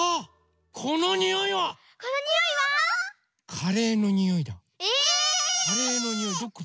⁉カレーのにおいどこだ？